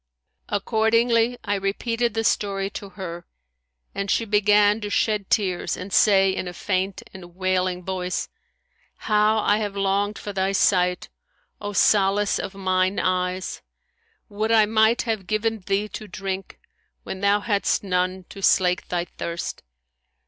Accordingly, I repeated the story to her, and she began to shed tears and say in a faint and wailing voice, How I have longed for thy sight, O solace of mine eyes![FN#166] Would I might have given thee to drink, when thou hadst none to slake thy thirst!